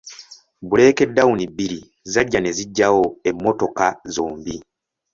Bbuleeke dawuni bbiri zajja ne zijjawo emmotoka zombi.